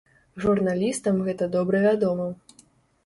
Журналістам гэта добра вядома.